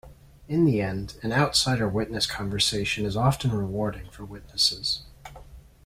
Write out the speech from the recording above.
In the end, an outsider witness conversation is often rewarding for witnesses.